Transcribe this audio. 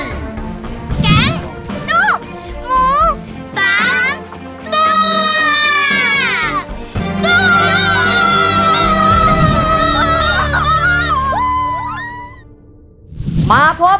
แก๊งนุหมูสามนัก